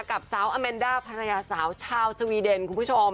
กับสาวอเมนด้าภรรยาสาวชาวสวีเดนคุณผู้ชม